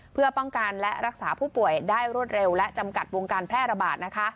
เพื่อป้องกันและรักษาผู้ป่วยได้รวดเร็วและจำกัดวงการแพร่ระบาดนะคะ